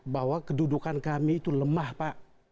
bahwa kedudukan kami itu lemah pak